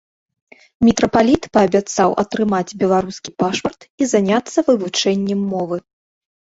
Мітрапаліт паабяцаў атрымаць беларускі пашпарт і заняцца вывучэннем мовы.